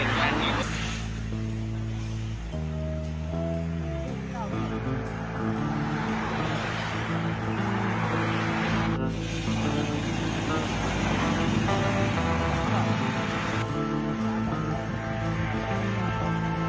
เจ้าที่นั้นประมาณปว่าอยู่ในข้างหน้าโรงสาร